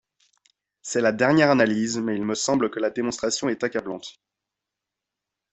C’est la dernière analyse, mais il me semble que la démonstration est accablante.